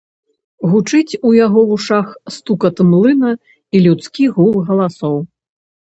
Гучыць у яго вушах стукат млына і людскі гул галасоў.